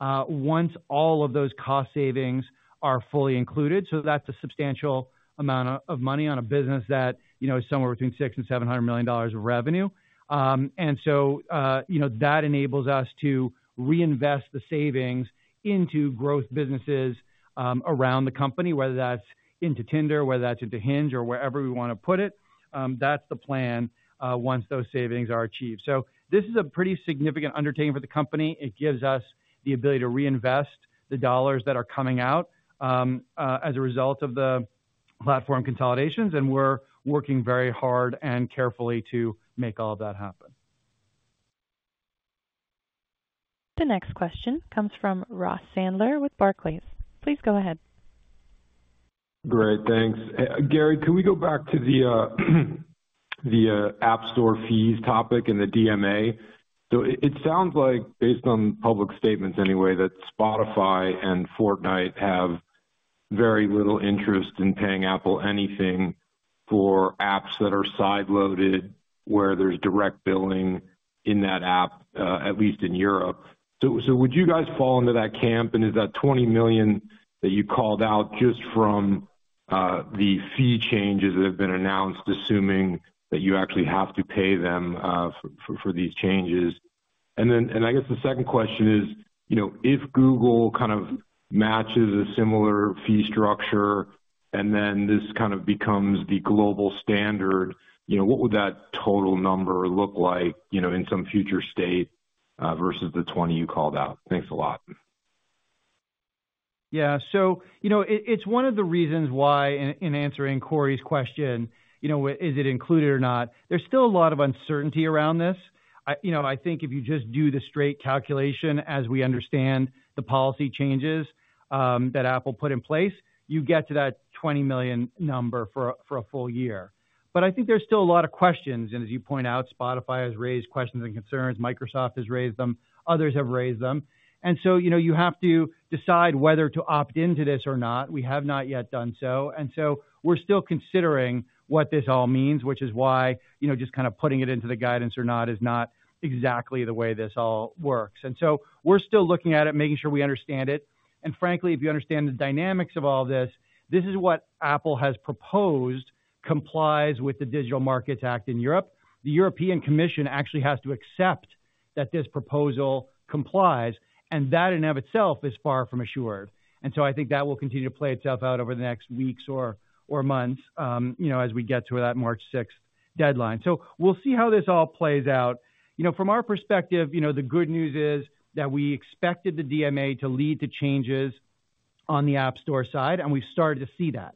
S4: once all of those cost savings are fully included. So that's a substantial amount of money on a business that, you know, is somewhere between $600 million and $700 million of revenue. And so, you know, that enables us to reinvest the savings into growth businesses around the company, whether that's into Tinder, whether that's into Hinge or wherever we want to put it. That's the plan, once those savings are achieved. So this is a pretty significant undertaking for the company. It gives us the ability to reinvest the dollars that are coming out as a result of the platform consolidations, and we're working very hard and carefully to make all that happen.
S1: The next question comes from Ross Sandler with Barclays. Please go ahead.
S15: Great. Thanks. Gary, can we go back to the App Store fees topic and the DMA? So it sounds like, based on public statements anyway, that Spotify and Fortnite have very little interest in paying Apple anything for apps that are side-loaded, where there's direct billing in that app, at least in Europe. So would you guys fall into that camp? And is that $20 million that you called out just from the fee changes that have been announced, assuming that you actually have to pay them for these changes? And then, I guess the second question is, you know, if Google kind of matches a similar fee structure, and then this kind of becomes the global standard, you know, what would that total number look like, you know, in some future state, versus the $20 million you called out? Thanks a lot.
S4: Yeah. So, you know, it's one of the reasons why in answering Cory's question, you know, is it included or not? There's still a lot of uncertainty around this. You know, I think if you just do the straight calculation as we understand the policy changes that Apple put in place, you get to that $20 million number for a full year. But I think there's still a lot of questions, and as you point out, Spotify has raised questions and concerns. Microsoft has raised them, others have raised them. And so, you know, you have to decide whether to opt into this or not. We have not yet done so, and so we're still considering what this all means, which is why, you know, just kind of putting it into the guidance or not, is not exactly the way this all works. We're still looking at it, making sure we understand it. And frankly, if you understand the dynamics of all this, this is what Apple has proposed, complies with the Digital Markets Act in Europe. The European Commission actually has to accept that this proposal complies, and that in and of itself is far from assured. And so I think that will continue to play itself out over the next weeks or months, you know, as we get to that March sixth deadline. So we'll see how this all plays out. You know, from our perspective, you know, the good news is that we expected the DMA to lead to changes on the App Store side, and we've started to see that.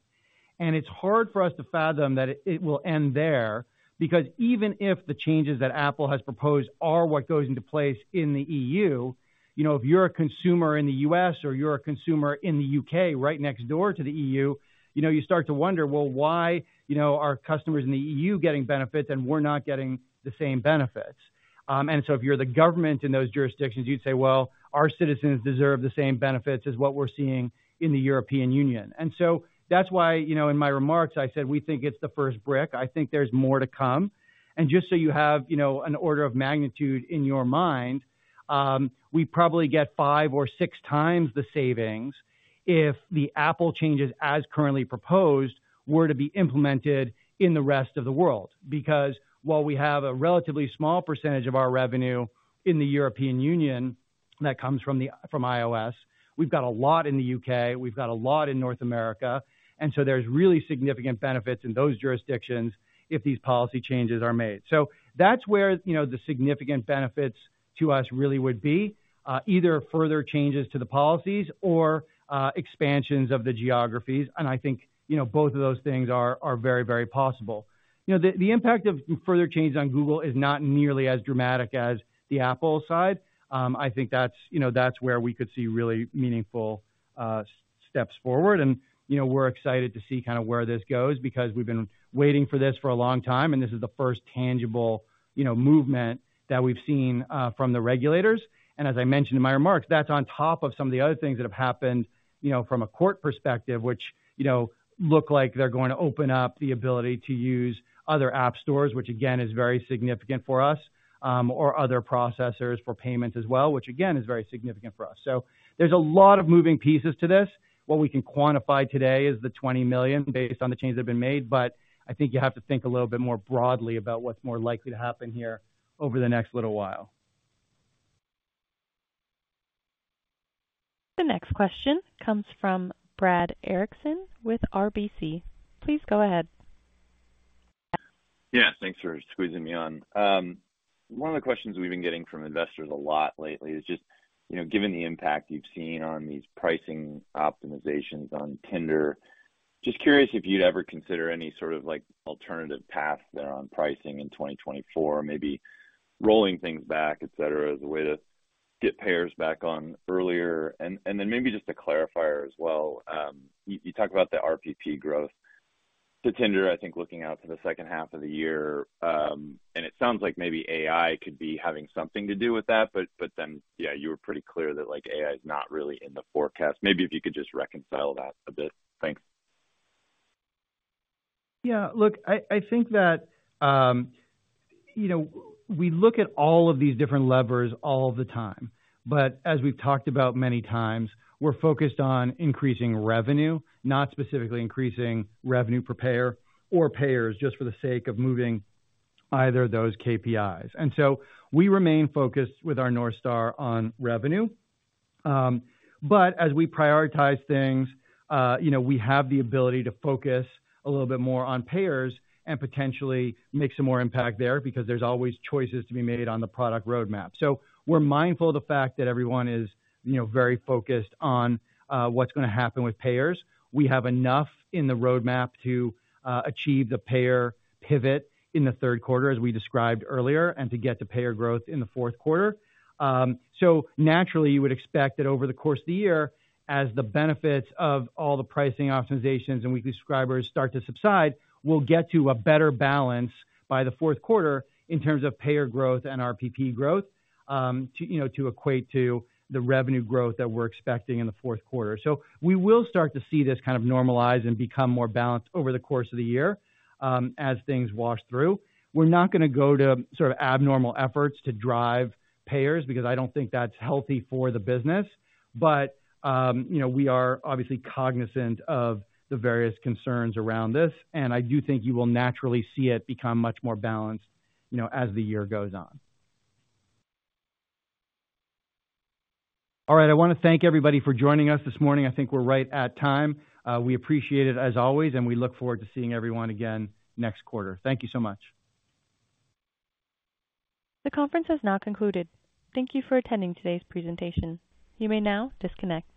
S4: It's hard for us to fathom that it will end there, because even if the changes that Apple has proposed are what goes into place in the EU, you know, if you're a consumer in the U.S. or you're a consumer in the U.K., right next door to the EU, you know, you start to wonder, well, why, you know, are customers in the EU getting benefits and we're not getting the same benefits? And so if you're the government in those jurisdictions, you'd say, "Well, our citizens deserve the same benefits as what we're seeing in the European Union." And so that's why, you know, in my remarks, I said, we think it's the first brick. I think there's more to come. And just so you have, you know, an order of magnitude in your mind, we probably get 5x or 6x the savings if the Apple changes, as currently proposed, were to be implemented in the rest of the world. Because while we have a relatively small percentage of our revenue in the European Union, that comes from iOS, we've got a lot in the U.K., we've got a lot in North America, and so there's really significant benefits in those jurisdictions if these policy changes are made. So that's where, you know, the significant benefits to us really would be either further changes to the policies or expansions of the geographies. And I think, you know, both of those things are very, very possible. You know, the impact of further changes on Google is not nearly as dramatic as the Apple side. I think that's, you know, that's where we could see really meaningful steps forward. And, you know, we're excited to see kind of where this goes because we've been waiting for this for a long time, and this is the first tangible, you know, movement that we've seen from the regulators. And as I mentioned in my remarks, that's on top of some of the other things that have happened, you know, from a court perspective, which, you know, look like they're going to open up the ability to use other app stores, which again, is very significant for us, or other processors for payment as well, which again, is very significant for us. So there's a lot of moving pieces to this. What we can quantify today is the $20 million based on the changes that have been made, but I think you have to think a little bit more broadly about what's more likely to happen here over the next little while.
S1: The next question comes from Brad Erickson with RBC. Please go ahead.
S16: Yeah, thanks for squeezing me on. One of the questions we've been getting from investors a lot lately is just, you know, given the impact you've seen on these pricing optimizations on Tinder, just curious if you'd ever consider any sort of, like, alternative paths there on pricing in 2024, maybe rolling things back, et cetera, as a way to get payers back on earlier? And then maybe just a clarifier as well. You talk about the RPP growth to Tinder, I think looking out to the second half of the year, and it sounds like maybe AI could be having something to do with that. But then, yeah, you were pretty clear that, like, AI is not really in the forecast. Maybe if you could just reconcile that a bit. Thanks.
S4: Yeah, look, I think that, you know, we look at all of these different levers all the time, but as we've talked about many times, we're focused on increasing revenue, not specifically increasing revenue per payer or payers, just for the sake of moving either of those KPIs. And so we remain focused with our North Star on revenue. But as we prioritize things, you know, we have the ability to focus a little bit more on payers and potentially make some more impact there, because there's always choices to be made on the product roadmap. So we're mindful of the fact that everyone is, you know, very focused on what's going to happen with payers. We have enough in the roadmap to achieve the payer pivot in the third quarter, as we described earlier, and to get to payer growth in the fourth quarter. So naturally, you would expect that over the course of the year, as the benefits of all the pricing optimizations and weekly subscribers start to subside, we'll get to a better balance by the fourth quarter in terms of payer growth and RPP growth, to, you know, to equate to the revenue growth that we're expecting in the fourth quarter. So we will start to see this kind of normalize and become more balanced over the course of the year, as things wash through. We're not going to go to sort of abnormal efforts to drive payers because I don't think that's healthy for the business. But, you know, we are obviously cognizant of the various concerns around this, and I do think you will naturally see it become much more balanced, you know, as the year goes on. All right. I want to thank everybody for joining us this morning. I think we're right at time. We appreciate it as always, and we look forward to seeing everyone again next quarter. Thank you so much.
S1: The conference has now concluded. Thank you for attending today's presentation. You may now disconnect.